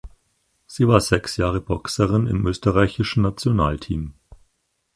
Sie war sechs Jahre Boxerin im österreichischen Nationalteam.